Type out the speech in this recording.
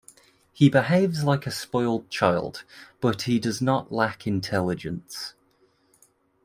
He behaves like a spoiled child, but he does not lack intelligence.